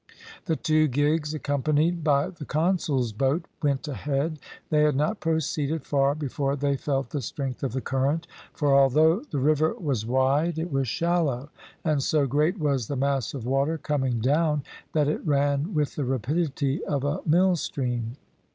The two gigs, accompanied by the consul's boat, went ahead. They had not proceeded far before they felt the strength of the current, for although the river was wide it was shallow, and so great was the mass of water coming down that it ran with the rapidity of a mill stream.